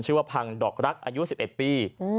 ชื่อว่าพังดอกรักอายุ๑๑ปี